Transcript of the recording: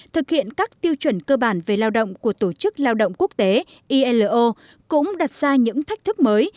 thực hiện các tiêu chuẩn cơ bản về lao động của tổ chức lao động quốc tế ilo cũng đặt ra những thách thức mới